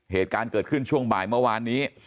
เหตุการณ์เกิดขึ้นช่วงบ่ายเมื่อวานนี้